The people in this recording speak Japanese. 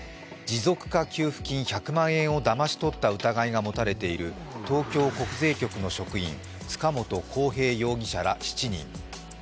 持続化給付金１００万円をだまし取った疑いが持たれている東京国税局の職員、塚本晃平容疑者ら７人。